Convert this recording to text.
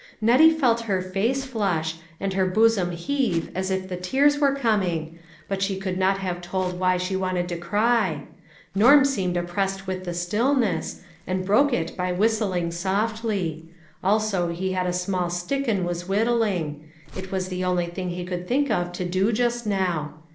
Nettie felt her face flush, and her bosom heave as if the tears were coming, but she could not have told why she wanted to cry THE WAY MADE PLAHf. 363 Norm seemed oppressed with the stillness, and broke it by whistling softly; also he had a small stick and was whittling ; it was the only thing he could think of to do just now.